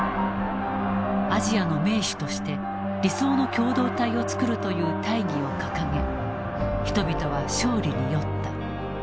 アジアの盟主として理想の共同体を作るという大義を掲げ人々は勝利に酔った。